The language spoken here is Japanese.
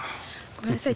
ごめんなさい。